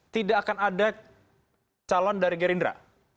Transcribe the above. tidak akan ada calon dari gerindra